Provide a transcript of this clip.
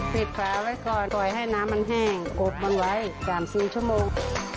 ฝาไว้ก่อนปล่อยให้น้ำมันแห้งกบมันไว้๓๔ชั่วโมง